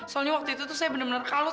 soalnya waktu itu tuh saya bener bener kalut